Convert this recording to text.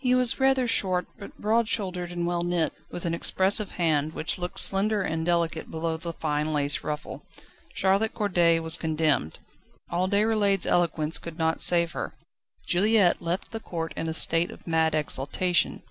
He was rather short, but broad shouldered and well knit, with an expressive hand, which looked slender and delicate below the fine lace ruffle. Charlotte Corday was condemned. All Déroulède's eloquence could not save her. Juliette left the court in a state of mad exultation.